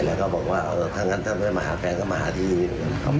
แล้วก็บอกว่าถ้าไม่มาหาแฟนก็มาหาที่นี่